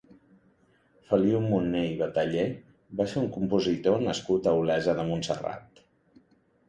Feliu Monné i Batallé va ser un compositor nascut a Olesa de Montserrat.